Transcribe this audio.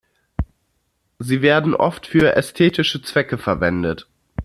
Sie werden oft für ästhetische Zwecke verwendet.